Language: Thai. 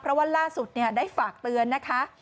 เพราะว่าล่าสุดได้ฝากเตือนนะคะ